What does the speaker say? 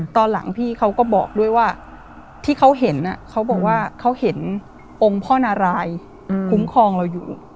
ตอนหลังพี่เขาก็บอกด้วยว่าที่เขาเห็นเขาบอกว่าเขาเห็นองค์พ่อนารายคุ้มครองเราอยู่